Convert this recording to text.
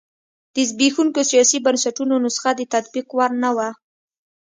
د زبېښونکو سیاسي بنسټونو نسخه د تطبیق وړ نه وه.